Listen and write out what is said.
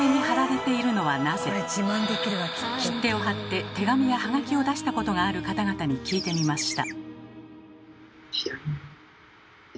切手を貼って手紙や葉書を出したことがある方々に聞いてみました。